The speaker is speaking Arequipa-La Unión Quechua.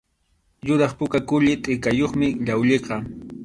Yuraq puka kulli tʼikayuqmi llawlliqa.